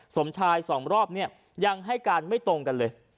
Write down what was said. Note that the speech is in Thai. สมชายสองรอบเนี่ยยังให้การไม่ตรงกันเลย